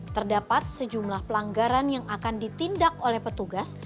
terdapat sejumlah pelanggaran yang akan ditindak oleh petugas